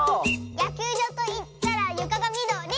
「やきゅうじょうといったらゆかがみどり！」